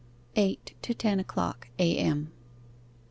EIGHT TO TEN O'CLOCK A.M.